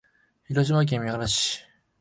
広島県三原市